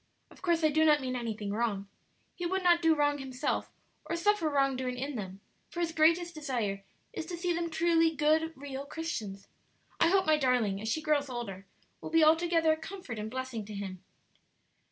Of course I do not mean anything wrong; he would not do wrong himself or suffer wrong doing in them; for his greatest desire is to see them truly good, real Christians. I hope my darling, as she grows older, will be altogether a comfort and blessing to him."